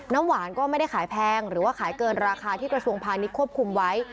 น้ำหวานก็ไม่ได้ขายแพงหรือว่าขายเกินราคาที่กระทรวงพาณิชยควบคุมไว้